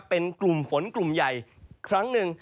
เป็นกลุ่มฝนกลุ่มใหญ่ครั้งหนึ่ง